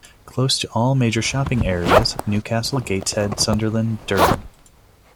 Close to all the major shopping areas: Newcastle, Gateshead, Sunderland, Durham.